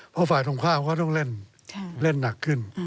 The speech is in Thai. เพราะฝ่ายตรงข้ามเขาต้องเล่นเล่นหนักขึ้น